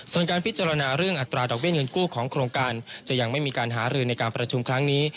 ส่วนการพิจารณาเรื่องอัตราดอกเบี้ยเงินกู้ของโครงการจะยังไม่มีการหารือในการประชุมครั้งนี้